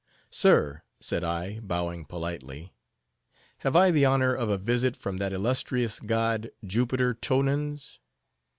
"Sir," said I, bowing politely, "have I the honor of a visit from that illustrious god, Jupiter Tonans?